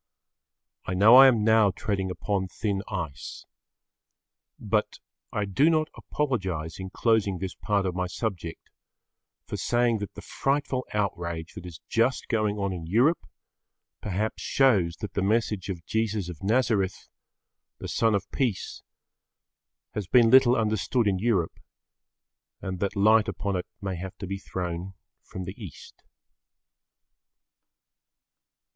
I know I am now treading upon thin ice. But I do not apologise in closing this part of my subject, for saying that the frightful outrage that is just going on in Europe, perhaps shows that the message of Jesus of Nazareth, the Son of Peace, had been little understood in Europe, and that light upon it may have to be thrown from the East.